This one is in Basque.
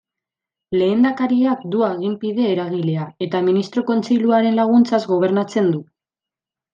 Lehendakariak du aginpide eragilea, eta ministro-kontseiluaren laguntzaz gobernatzen du.